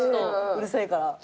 うるさいから。